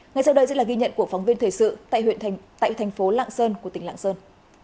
ngày sau đây sẽ là ghi nhận của phóng viên thời sự tại thành phố lạng sơn của tỉnh lạng sơn